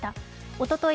おととい